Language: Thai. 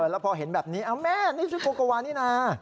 แล้วพอเห็นแบบนี้แม่นี่ชื่อโกโกวานี่นะ